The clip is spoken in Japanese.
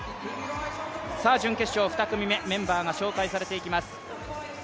準決勝２組目、メンバーが紹介されていきます。